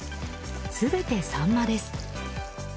全てサンマです。